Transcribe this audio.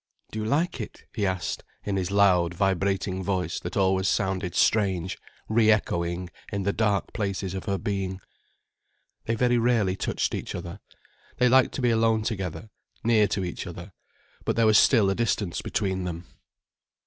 "Do you like it?" he asked, in his loud, vibrating voice that always sounded strange, re echoing in the dark places of her being. They very rarely touched each other. They liked to be alone together, near to each other, but there was still a distance between them.